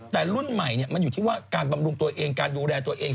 แต่รุ่นใหม่มันอยู่ที่ว่าการบำรุงตัวเองการดูแลตัวเอง